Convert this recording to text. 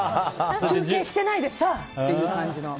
休憩してないでさ！っていう感じの。